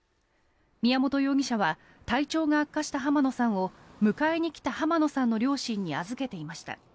宮本容疑者は体調が悪化した浜野さんを迎えに来た浜野さんの両親に預けていました。